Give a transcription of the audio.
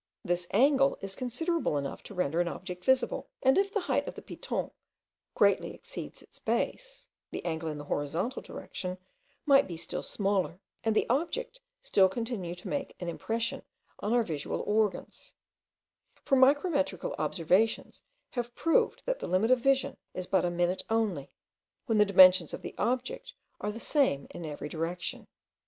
This angle is considerable enough to render an object visible; and if the height of the Piton greatly exceeded its base, the angle in the horizontal direction might be still smaller, and the object still continue to make an impression on our visual organs; for micrometrical observations have proved that the limit of vision is but a minute only, when the dimensions of the objects are the same in every direction.